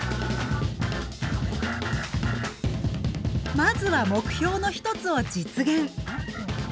まずは目標の一つを実現。